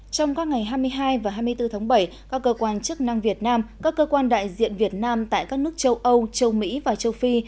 trong các ngày hai mươi hai và hai mươi bốn tháng bảy các cơ quan chức năng việt nam các cơ quan đại diện việt nam tại các nước châu âu châu mỹ và châu phi